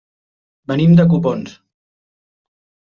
Venim de Copons.